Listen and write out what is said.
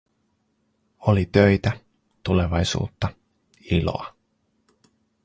Oli töitä, tulevaisuutta, iloa.